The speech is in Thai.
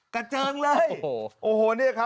กะเจิงเลย